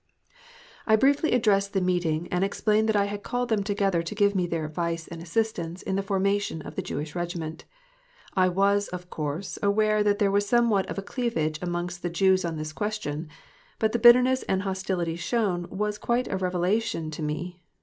I briefly addressed the meeting and explained that I had called them together to give me their advice and assistance in the formation of the Jewish Regiment. I was, of course, aware that there was somewhat of a cleavage amongst the Jews on this question, but the bitterness and hostility shown was quite a revelation to me.